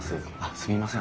すみません